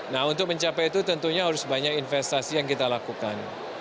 nah untuk mencapai itu tentunya harus banyak investasi yang kita lakukan